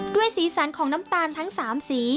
สีสันของน้ำตาลทั้ง๓สี